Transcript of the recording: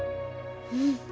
うん。